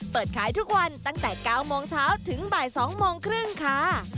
เปิดขายทุกวันตั้งแต่๙โมงเช้าถึงบ่าย๒โมงครึ่งค่ะ